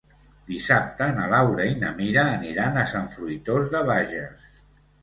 Dissabte na Laura i na Mira aniran a Sant Fruitós de Bages.